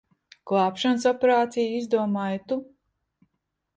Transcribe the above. Glābšanas operāciju izdomāji tu.